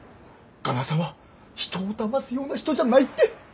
我那覇さんは人をだますような人じゃないって。